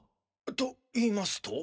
っと言いますと？